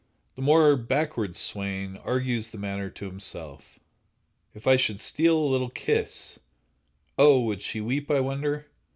The more backward swain argues the matter to himself: If I should steal a little kiss, Oh! would she weep, I wonder?